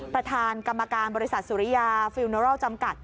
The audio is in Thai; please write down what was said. ประธานกรรมการบริษัทสุริยาฟิลเนอรอลจำกัด